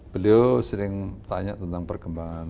beliau sering tanya tentang perkembangan